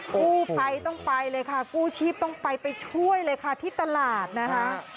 กู้ภัยต้องไปเลยค่ะกู้ชีพต้องไปไปช่วยเลยค่ะที่ตลาดนะคะ